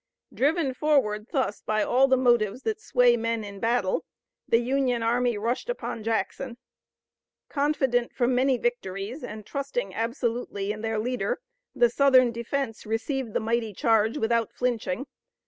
Driven forward thus by all the motives that sway men in battle, the Union army rushed upon Jackson. Confident from many victories and trusting absolutely in their leader the Southern defense received the mighty charge without flinching.